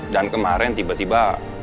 dan kemarin tiba tiba